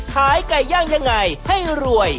ขายไก่ย่างยังไงให้รวย